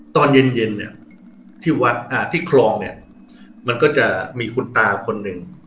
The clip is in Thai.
ตอนเย็นเนี่ยที่วัดที่คลองเนี่ยมันก็จะมีคุณตาคนหนึ่ง